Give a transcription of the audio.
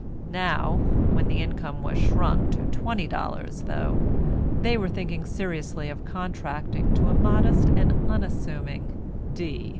Now, when the income was shrunk to $20, though, they were thinking seriously of contracting to a modest and unassuming D.